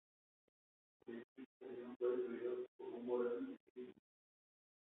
El edificio estación fue destruido por un voraz incendio intencional.